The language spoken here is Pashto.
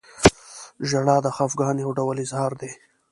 • ژړا د خفګان یو ډول اظهار دی.